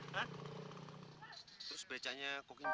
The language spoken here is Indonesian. terus becanya kok injut